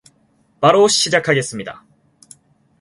바로 시작하겠습니다.